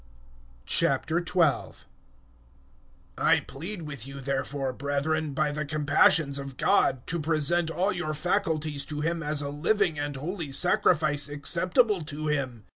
012:001 I plead with you therefore, brethren, by the compassionsof God, to present all your faculties to Him as a living and holy sacrifice acceptable to Him.